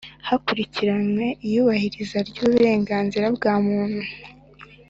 hakurikiranywe iyubahirizwa ry uburenganzira bwa muntu